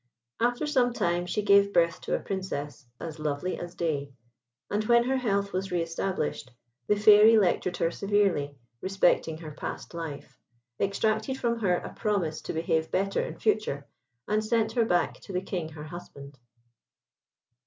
After some time, she gave birth to a Princess, as lovely as day; and when her health was re established, the Fairy lectured her severely respecting her past life, exacted from her a promise to behave better in future, and sent her back to the King her husband.